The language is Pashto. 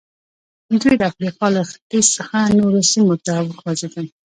دوی د افریقا له ختیځ څخه نورو سیمو ته وخوځېدل.